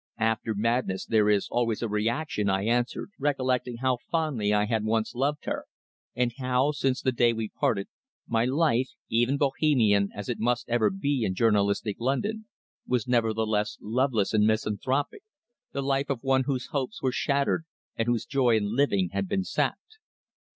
"After madness there is always a reaction," I answered, recollecting how fondly I had once loved her, and how, since the day we parted, my life, even Bohemian as it must ever be in journalistic London, was nevertheless loveless and misanthropic, the life of one whose hopes were shattered and whose joy in living had been sapped.